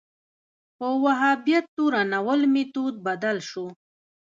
په وهابیت تورنول میتود بدل شو